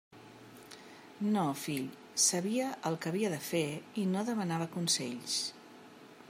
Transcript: No, fill; sabia el que havia de fer, i no demanava consells.